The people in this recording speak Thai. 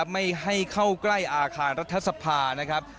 ไม่ให้เข้ากล้ายอาคารรัฐสภา